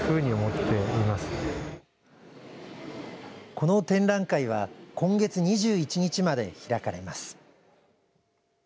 この展覧会は今月２１日まで開かれます。